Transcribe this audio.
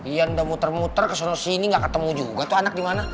iya udah muter muter kesana sini gak ketemu juga tuh anak di mana